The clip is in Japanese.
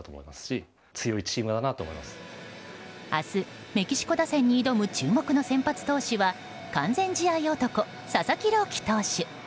明日、メキシコ打線に挑む注目の先発投手は完全試合男・佐々木朗希投手。